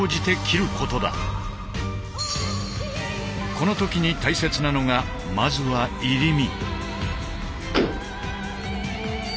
この時に大切なのがまずは「入身」。